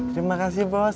terima kasih bos